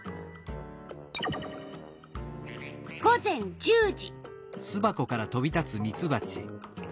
午前１０時。